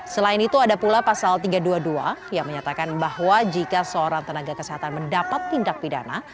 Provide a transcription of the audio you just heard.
selain itu ada pula pasal tiga ratus dua puluh dua yang menyatakan bahwa jika seorang tenaga kesehatan mendapat tindak pidana